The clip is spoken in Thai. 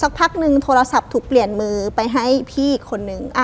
พักนึงโทรศัพท์ถูกเปลี่ยนมือไปให้พี่อีกคนนึง